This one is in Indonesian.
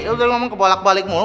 lo jangank kebalak balik kamu